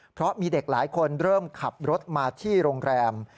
เพราะมีเด็กหลายคนเริ่มขับรถมาที่โรงแรม